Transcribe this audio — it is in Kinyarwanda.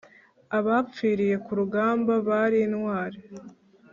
Abapfiriye kurugamba barintwari